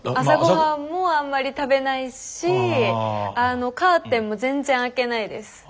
朝ごはんもあんまり食べないしカーテンも全然開けないです。